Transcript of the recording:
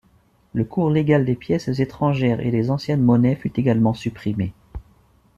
Le cours légal des pièces étrangères et des anciennes monnaies fut également supprimé.